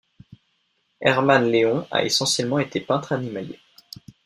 Hermann-Léon a essentiellement été peintre animalier.